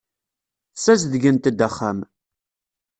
Ssazedgent-d axxam.